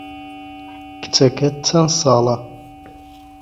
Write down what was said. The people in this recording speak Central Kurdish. کچەکەت چەند ساڵە؟